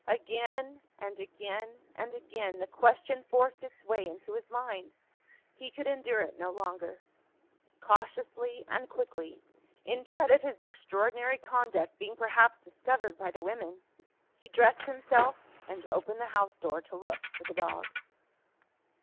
Again, and again, and again, the question forced its way into his mind. He could endure it no longer. Cautiously and quickly in dread of his extraordinary conduct being perhaps discovered by the women he dressed himself, and opened the house door to look for the dog.